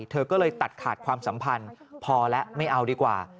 เธอก็เลยตัดขาดความสัมพันธ์พอแล้วไม่เอาดีกว่า